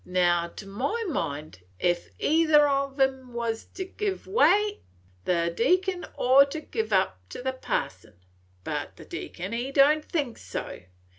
Now, to my mind, ef either on 'em wus to give way, the Deacon oughter give up to the Parson; but the Deacon he don't think so.